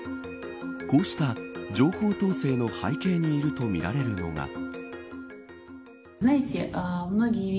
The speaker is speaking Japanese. こうした情報統制の背景にいるとみられるのが。